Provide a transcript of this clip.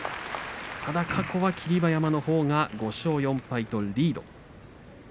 ただ過去は霧馬山のほうが５勝４敗とリード。